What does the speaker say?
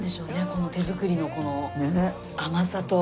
この手作りのこの甘さと。